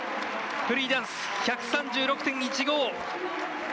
フリーダンス、１３６．１５！